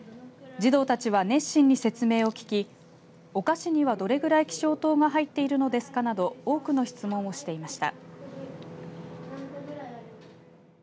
児童たちは、熱心に説明を聞きお菓子には、どれくらい希少糖が入っているのですかなど多くの質問をしていました。